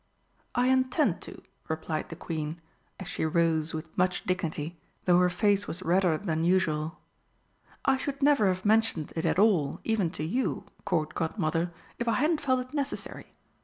"I intend to," replied the Queen, as she rose with much dignity, though her face was redder than usual. "I should never have mentioned it at all, even to you, Court Godmother, if I hadn't felt it necessary.